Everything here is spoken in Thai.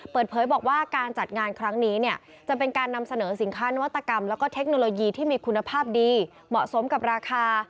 เปิดเผยบอกว่าการจัดงานครั้งนี้เนี่ยจะเป็นการนำเสนอสินค้านวัตกรรมแล้วก็เทคโนโลยีที่มีคุณภาพดีเหมาะสมกับราคา